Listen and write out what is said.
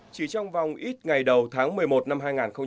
chỉ trong vòng ít ngày đầu tháng một mươi một năm hai nghìn hai mươi